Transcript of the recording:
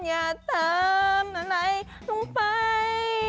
อยากทำอะไรตรงไป